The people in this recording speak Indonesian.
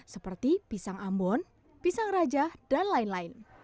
seperti pisang ambon pisang raja dan lain lain